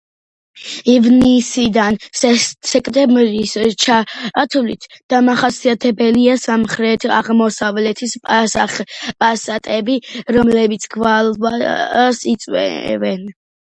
ივნისიდან სექტემბრის ჩათვლით დამახასიათებელია სამხრეთ-აღმოსავლეთის პასატები, რომლებიც გვალვას იწვევენ.